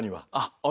あれ？